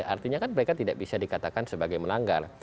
artinya kan mereka tidak bisa dikatakan sebagai melanggar